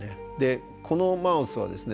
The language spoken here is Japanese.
このマウスはですね